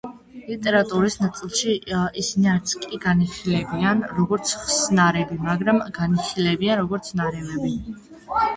ლიტერატურის ნაწილში, ისინი არც კი განიხილებიან, როგორც ხსნარები, მაგრამ განიხილებიან, როგორც ნარევები.